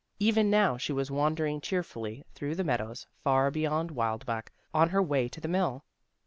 Even now she was wandering cheerfully through the meadows, far beyond Wildbach on her way to the mill.